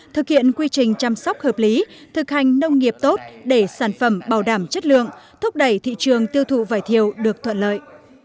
thực hiện quy trình chăm sóc hợp lý thực hành nông nghiệp tốt để sản phẩm bảo đảm chất lượng thúc đẩy thị trường tiêu thụ vải thiều được thuận lợi